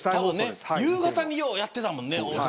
夕方にようやってたもんね。